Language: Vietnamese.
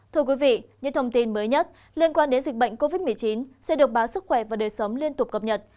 thưa quý vị những thông tin mới nhất liên quan đến dịch bệnh covid một mươi chín sẽ được báo sức khỏe và đời sống liên tục cập nhật